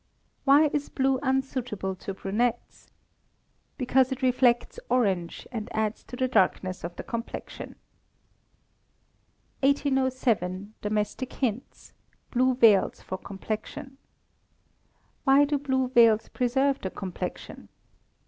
Why is blue unsuitable to brunettes? Because it reflects orange, and adds to the darkness of the complexion. 1807. Domestic Hints (Blue Veils for Complexion). _Why do blue veils preserve the complexion?